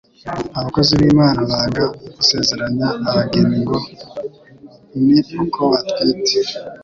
abakozi b'Imana banga gusezeranya abageni ngo ni uko batwite.